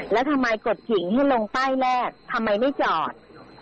แล้วทำไมกดกิ่งให้ลงป้ายแรกทำไมไม่จอด